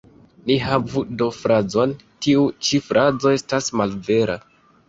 Ni havu do frazon ""Tiu ĉi frazo estas malvera.